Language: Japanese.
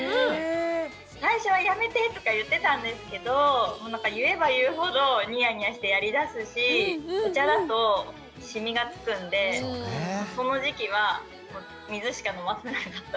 最初は「やめて」とか言ってたんですけど言えば言うほどにやにやしてやりだすしお茶だとシミがつくんでその時期は水しか飲ませなかったです。